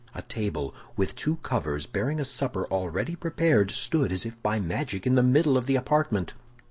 "A table, with two covers, bearing a supper ready prepared, stood, as if by magic, in the middle of the apartment.